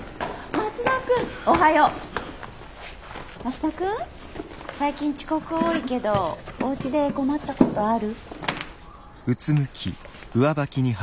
松田君最近遅刻多いけどおうちで困ったことある？